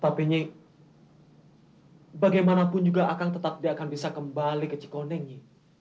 tapi nyi bagaimanapun juga abah tetap tidak akan bisa kembali ke cikoneng nyi